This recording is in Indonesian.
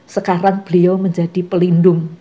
sekarang beliau menjadi pelindung